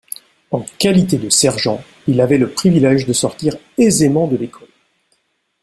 En qualité de sergent il avait le privilège de sortir aisément de l'école.